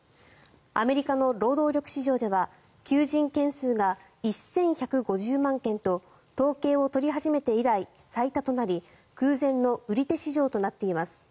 アメリカの労働力市場では求人件数が１１５０万件と統計を取り始めて以来最多となり空前の売り手市場となっています。